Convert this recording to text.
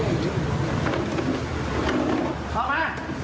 ไปไม่มีใครทำอะไรอีกหนึ่ง